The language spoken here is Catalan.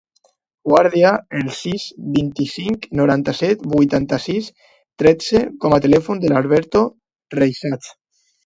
Guarda el sis, vint-i-cinc, noranta-set, vuitanta-sis, tretze com a telèfon de l'Alberto Reixach.